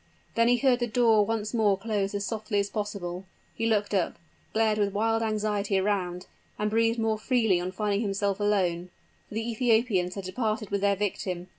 Then he heard the door once more close as softly as possible: he looked up glared with wild anxiety around and breathed more freely on finding himself alone! For the Ethiopians had departed with their victim!